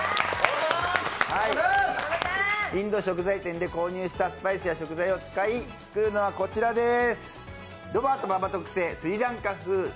インド食材店で購入したスパイスや食材を使い作るのはこちらです。